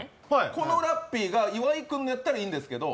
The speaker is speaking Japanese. このラッピーが岩井君のやったらいいんですけど。